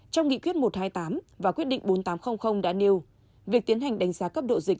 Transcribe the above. trong nghị quyết một trăm hai mươi tám và quyết định bốn nghìn tám trăm linh đã nêu việc tiến hành đánh giá cấp độ dịch